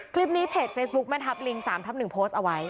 คลิปนี้เพจเฟซบุ๊คแม่ทับลิง๓ทับ๑โพสต์เอาไว้